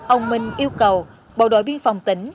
ông minh yêu cầu bộ đội biên phòng tỉnh